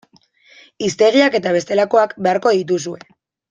Hiztegiak eta bestelakoak beharko dituzue.